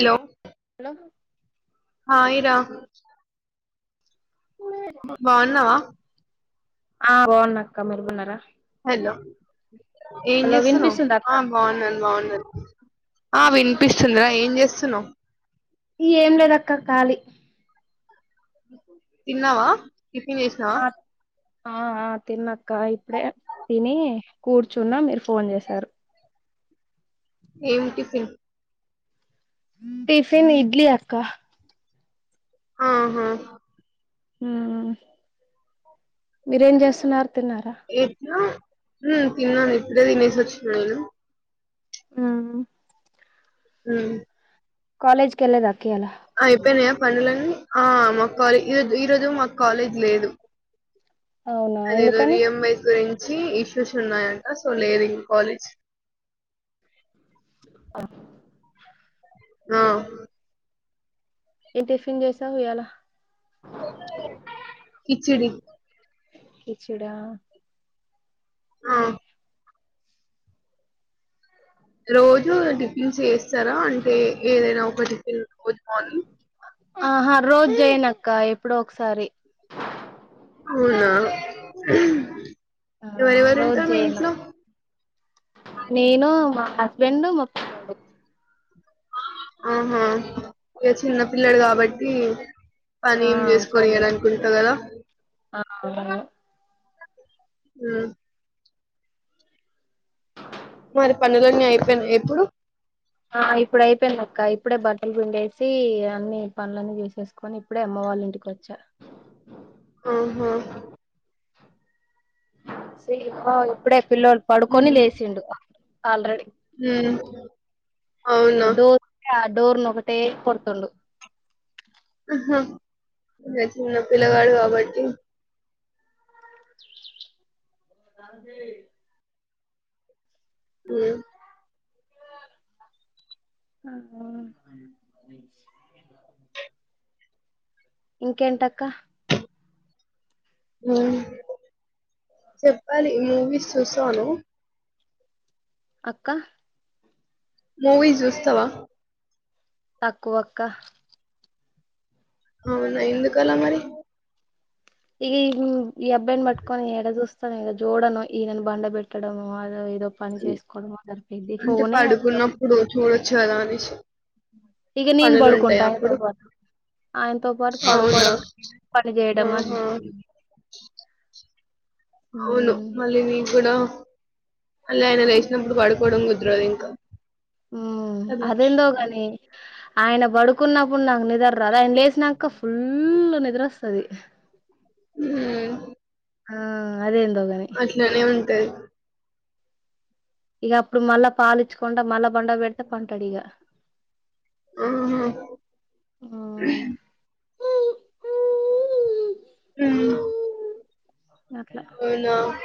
Hello hello hi రా బాగున్నావా ఆ బాగున్నా అక్క మిరుగున్నారా హలో ఏం చేస్తున్నావ్ వినిపిస్తుందా అక్క ఆ బావున్నాను బావున్నాను ఆ వినిపిస్తుందిరా ఏ ఏం చేస్తున్నావ్ ఏం లేదు అక్క కాలీ తిన్నావా టిపిన్ చేసినవ ఆ ఆ తిన్నక్క ఇప్పుడే తిని కూర్చున్న మీరు ఫోన్ చేసారు ఏమి టిఫిన్ టిఫిన్ ఇడ్లీ అక్క అ ఆహా హు మీరేం చేస్తున్నారు తిన్నారా ఏ [unintelligible] హు తిన్నాను ఇప్పుడే తినేసి వచ్చినాను ఆ హ్మ్మ్ కాలేజ్ కెల్ దక్క ఇయ్యాల అయిపోయినయ పనులులన్నీ ఆ మా కాలేజ్ ఈరోజ ఈరోోజు మాకు కాలేజ్ లేదు అవునా అదేదో ఎందుకని రియన్బైస్ గురి ఇష్యూస్ ఉన్నాయంట సో లేదు ఇ కాలేజ్ ఆఓ ఆ ఏం టిఫిన్ జేసవ్ ఇయ్యాల కిచిడి కిచిడి ఆ అదే ఆ రోజు టిఫిన్స్ చేస్తారా అంటే ఏదైనా ఒక టిఫిన్ గుడ్ మార్నింగ్ ఆహ రోజు జయనక్క ఎప్పుడో ఒకసారి అవునా ఆ ఎవరెవరు రోజు ఉంటారు మీ జేయను ఇంట్లో నేను మా హస్బెండ్ మా పిల్లోడు ఆహా ఇక చిన్న పిల్లడు కాబట్టి పని ఆ ఏం చోలే చేసుకొనియ్యాడు అనుకుంటా కదా ఆ ఆ మరి పనులన్నీ అయిపోయినాయి ఇప్పుడు ఆ ఇప్పుడు అయిపోయింది అక్క ఇప్పుడే బట్టలు పిండేసి అన్ని పనులన్నీ చెసేసుకొని ఇప్పుడే అమ్మ వాళ్ళ ఇంటికి వచ్చా ఆహా సే అప్పా ఎప్పుడ పిల్లోడు పడుకొని లేసిండు ఆల్రెడీ హ అవునా డోర్ని ఒకటే కొద్తుండు అ చిన్న పిల్లగాడు కాబట్టి దదే ఆ ఆహా ఇంకేంటక్క హ్మ్మ్ చెప్పాలి మూవీస్ చూస్తావా నువ్వు అక్క మూవీస్ చూస్తావా తక్కువ అక్క అవునా ఎందుకలా మరి ఇగ ఈ అబ్బాయిని బట్టుకొని ఎడ జస్తాను ఇగ జూడను ఈనాని పండబెట్టడం అదో ఇదో ఏదో పని చేసుకోవడం మొదరిపోది ఫోనే ఎత్తవు చలానిష్ ఇగా నీను పడుకుంటా ఆయనతో పాటు ఆయనతో పాటు అవునా పడుకోవడం పని చేయడంది ఆహా అంత్ అవును మళ్లీ నీగుడా అలా అయినా లేచినప్పుడు పడుకోవడం కుదరదు ఇంకా ఉ కదా అదెందోగనీ ఆయన పడుకున్నప్పుడు నాకు నిద్ర రాదు ఆయన లేసినంక ఫుల్ లు నిద్రొస్తది ఊ ఆ అదేందోగాని [inaudible] ఇగ అప్పుడు మల్ల పాలీచ్చుకుండా మల్ల బండ పెడితే పంటాడు ఇగ ఆహా హ్మ్. ఉ అట్లా అవునా [inaudible]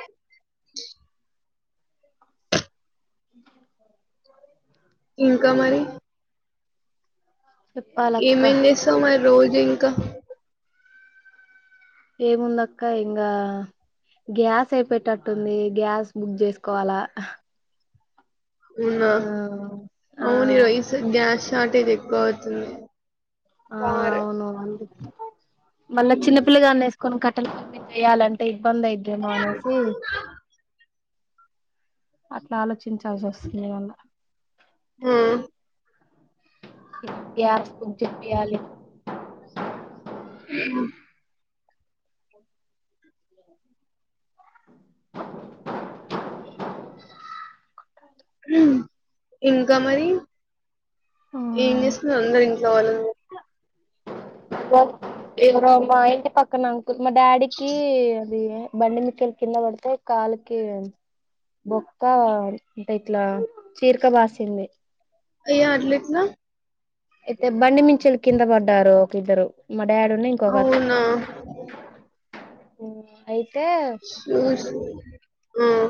[inaudible] ఇంకా మరి చెప్పాలక్క ఏమేంజెసావ్ మరి రోజు ఇంకా ఏముందక్క ఇంగా గ్యాస్ అయిపోటట్టుంది గ్యాస్ బుక్ చేసుకోవాలా ఉనా ఆ! అవును రైస్ గ్యాస్ తా టేజ్ ఎక్కువఅవుతుంది ఆ అవును అం మల్ల చిన్నపిల్లగానే లేస్ కొను కట్టలు మీ జెయాలంటే మంద్ అయితే మానేసి అ ఆలోచించాల్సి వస్తుంది ఏమన్నా హ గ్యాస్ బుక్ తెప్పియాలే అ [inaudible] ఇంకా మరి ఆ ఏం చేస్ అందరు ఇంట్లో వాళ్ళు బ ఎవరో మా ఇంటి పక్కన మా డాడీకి అది బండిమీకెళ్ళి కింద పడితే కాలుకి బొక్క అంటే ఇట్లా చీరిక బాసింది అయ్యో అట్లెట్ల అయితే బండి మీ నుంచెల్లి కిింద పడ్డారు కిద్దరు అవునా అయి ఉహు ఉం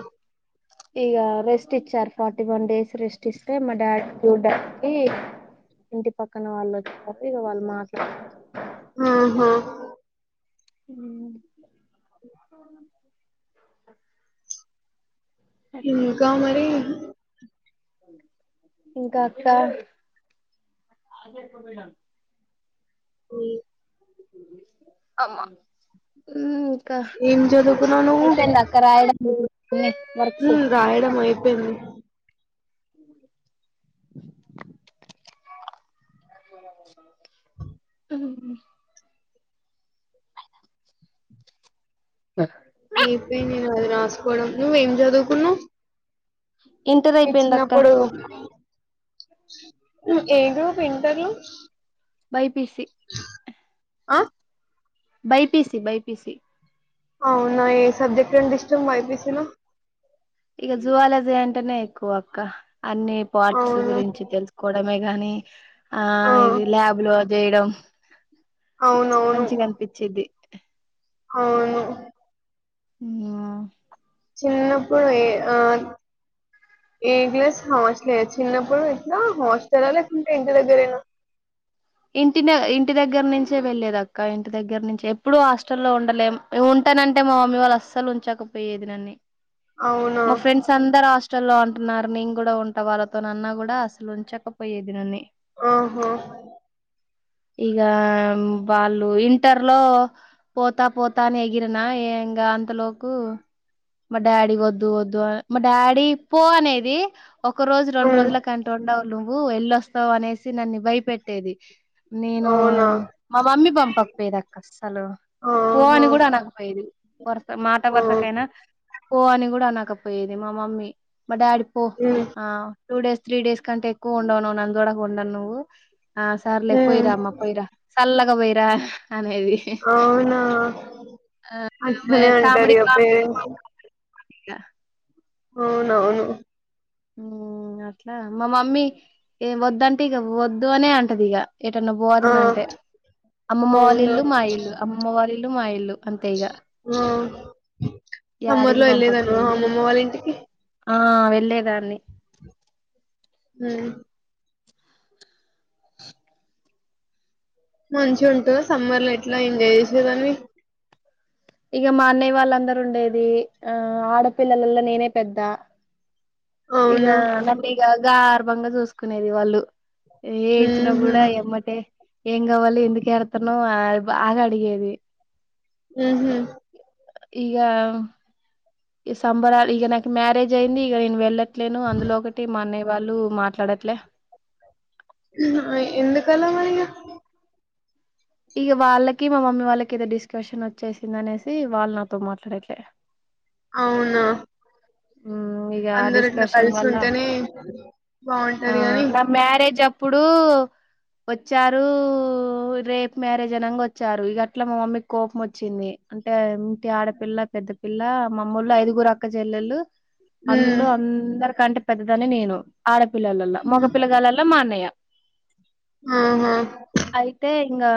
ఇగా రెస్ట్ ఇచ్చారు ఫార్టీ వన్ డేస్ రెస్ట్ ఇస్తే మా డాడ్కి ఇంటి పక్కన వాళ్ళు వచ్చారు ఇక వాళ్ళు మాట్లాడతారు ఆహా ఉ [inaudible] [inaudible] ఇంకా మరి ఇంకా అక్క మీ అమ్మ ఉం ఏం అయిపోయిందక్క రాయడం అన్ని వర్క్స్ ఉం రాయడం అయిపోయింది ఉం ఐపొయింది నాది రాసు నువ్ ఏం చదువుకున్నావు ఇంటర్ అయిపోయింది అక్క ఏ గ్రూప్ ఇంటర్ లో బై పిసి ఆ బైపిసి బైపిసి అవు ఏ సబ్జెక్ట్ అంటే ఇష్టం బైపీసీలో అంటనే ఎక్కువ అక్క అన్ని పాట్స్ అవును గురించి తెలుసుకోవడమే కానీ ఆ ఇది ల్యాబ్ లో చేయడం అవునవును మంచిగా అనిపించేది అవును హు ఆ చిన్నప్పుడు ఏ ఆ ఏ గ్లాస్ హాస్టల్ చిన్నప్పుడు ఇట్లా హాస్టల్ లేకుంటే ఇంటి దగ్గరయినా ఇంటి ఇంటి దగ్గర నుంచే వెళ్లేద అక్క ఇంటి దగ్గర నుంచి ఎప్పుడూ హాస్టల్లో ఉండలేం ఉంటానంటే మా మమ్మీ వాళ్ళు అస్సలు ఉంచకపోయేది నన్నని అవునా మా ఫ్రెండ్స్ అందరూ ఆ హాస్టల్లో అంటున్నారు నేను కూడా ఉంట వాళ్ళతో నాన్న కూడా అసలు ఉంచకపోయేది నన్ను ఓహా ఇక వాళ్ళు ఇంటర్ లో పోతా పోతా అని ఎగిరినాంకా అంతలోకి మా డాడీ వద్దు వద్దు మా డాడీ పో అనేది ఒక రోజు రెండు హ్మ్. రోజల కంట ఉండవు నువ్వు ఎళ్ళొస్తావు అనేసి నన్ను భయపెట్టేది నేను అవునా! మా మమ్మీ పంపకపోయేది అక్క అసలు పో ఆహా! అని కూడా అనకపోయేది వరుస మాట ఆ! వరుసకైనా పో అని కూడా అనకపోయేది మా మమ్మీ మా డాడీ పో హ్మ్. ఆ టూ డేస్ త్రీ డేస్ కంటే ఎక్కువ ఉండవు నువ్వు నాకు దూరం ఉంను నువ్వు సార్లే హ్మ్. పోయిరా అమ్మా పోయిరా చల్లగా పోయిరా అనేది అవునా! ఆ అట్లనే కామెడీ అంటారిగ కామెడీ పేరెంట్స్. అ [unintelligible] అవునవును అట్లా మా మమ్మీ ఏ వదుంటే ఇక వద్దు అనే అంటది ఇక ఎటన్న ఆ! బోధన అంటే అమ్మమ్మ వాళ్ళ అవును. ఇల్లు మా ఇల్లు అమ్మమ్మ వాళ్ళల్ ఇల్లు మా ఇల్లు అంతే ఈగ సమ్మర్ లో వెళ్ళలేదను అమ్మమ్మ వాళ్ళ ఇంటికి ఆ వెళ్ళేదాన్ని హు మంచి ఉంటు సమ్మర్ లో ఎట్లా ఎంజాయ్ చేసేదానివి ఇక మా అన్నయ్య వాళ్ళందరుూ ఉండేది ఆ ఆడపిల్లలలో నేనే పెద్ద ఇగ అవునా! నన్ను ఇక గర్ పండుచూసుకునేది వాళ్ళు ఏడ్చిన హుహు. కూడా ఏమ్మటే ఎం గావాలి ఎందుకుఎడుతూన్నవు బాగా అడిగేది ఆహ ఇగా ఈ సంబరాలు ఇక నాకు మ్యారేజ్ అయింది ఇగ నేను వెళ్ళ ట్లెను అందులో ఒకటి మా అన్నయ వాళ్ళు మాట్లాడట్లే ఇరవై ఎందుకాల మరిగా ఇగ వాళ్ళకి మా మమ్మీ వాళ్ళకి ఏదో డిస్కషన్ వచ్చేసింది అనేసి వాళ్ళు నాతో మాట్లాడట్లే అవునా ఉమ్ ఇగ ఆ అందరు ఇట్లా డిస్కషన్ కలిసి వల్ల ఉంటనే బాగుంటాది కని ఇప్పుడు వచ్చారు రేప్ మ్యారేజ్ అనంగా వచ్చారు ఇ గట్లా మా మమ్మీకి కోపం వచ్చింది అంటే ఆడపిల్ల పెద్ద పిల్ల మామ్మో ల్లు ఐదుగురు అక్క చెల్లెలు హ్మ్. అందులో అందరు కంటే పెద్దదాన్నె నేను ఆడ పిల్లలల్ల మగ పిల్లగాలల్ల మా అన్నయ్య ఆహ ఇంకా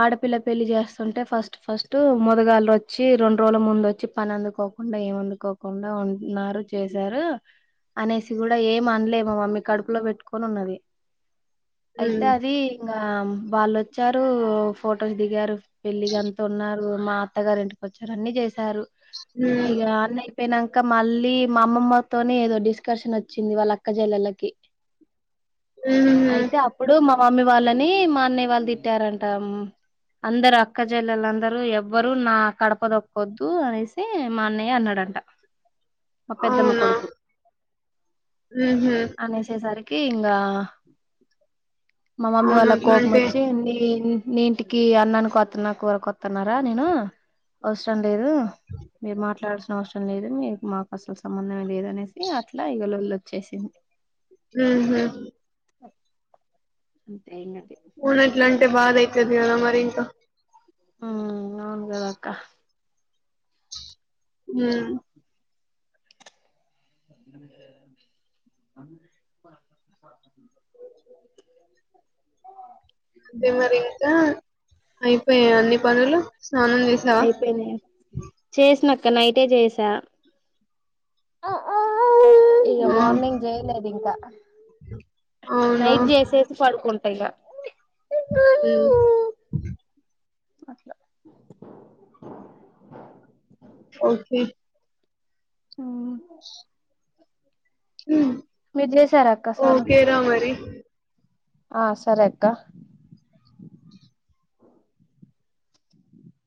ఆడపిల్ల పెళ్లి చేస్తుంటే ఫస్ట్ ఫస్ట్ మోదుగాళ్లు వచ్చి రెండు రోజుల ముందు వచ్చి పని అందుకోకుండా ఏమందుకో కుండా ఉంటున్నారు చేశారు అనేసి కూడా ఏం అనలే మ మమ్మీ కడుపులో పెట్టుకొని ఉన్నది అయిత హ్మ్. అది ఇంకా వాళ్ళొచ్చారు ఫొటోస్ దిగారు పెళ్లి గంత ఉన్నా రు మా అత్తగారు ఇంటికి వచ్చారు అన్ని చేసారు హ్మ్. ఇగా అన్నై పోయినంక మళ్ళీ మా అమ్మమ్మతోని ఏదో డిస్కషన్ వచ్చింది వాళ్ళ అక్కజల్లలకి హుహుహు. అయితే అప్పుడు మ స్వామి వాళ్ళని మా అన్నయ్య వాళ్ళు తిట్టారంట అందరు అక్కజల్లలందరూ ఎవ్వరు నా కడప దొక్కొద్దు అనేసి మా అన్నయ్య అన్నాడంట మా పెద్దమ్మ అవునా? కొడుకు హుహు. అనేసేసరి కి ఇంగా మా మమ్మీ అవును. వాళ్ళ కోపం అట్లంటే వచ్చి నీ నీ ఇంటికి అన్నానికి కొత్తున్న కూర కొత్తున్నారా నేను అవసరం లేదు మీరు మాట్లాడాల్సిన అవసరం లేదు మీకు మాకు అసలు సంబంధమే లేదు అనేసి అట్ల ఇగ లొల్లి వచ్చేసిం ఉహు అంతే ఇంగ అది అవునట్ల అంటే బాధ అయితది కదా మరి ఇంక ఆ నవును కదక్క ఉ ఆ ఆ అదే మరి ఇంకా అయిపోయాయ అన్ని పనులు స్నానం జేశావా? అయిపోయినాయి చేసిన ఇక నైటే చేసా ఇగ ఆ! మార్నింగ్ చేయలేదు ఇంగ అవునా? నైట్ చేసేసి పడుకున ఇగ ఉ మంచిగ ఉ చి మీరు చేసార అక్క సానం ఓకే రా మరి. ఆ సరే అక్క